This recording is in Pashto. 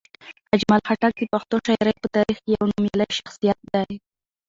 اجمل خټک د پښتو شاعرۍ په تاریخ کې یو نومیالی شخصیت دی.